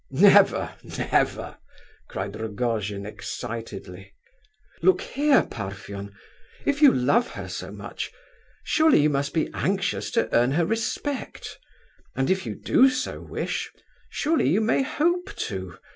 "Never, never!" cried Rogojin, excitedly. "Look here, Parfen; if you love her so much, surely you must be anxious to earn her respect? And if you do so wish, surely you may hope to?